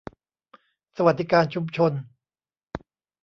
สวัสดิการชุมชน